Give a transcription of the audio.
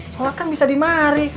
sholat kan bisa dimari